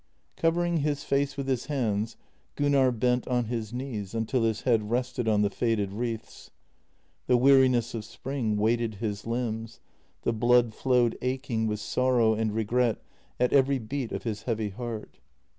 Covering his face with his hands, Gunnar bent on his knees until his head rested on the faded wreaths. The weariness of spring weighted his limbs, the blood flowed aching with sorrow and regret at every beat of his heavy heart.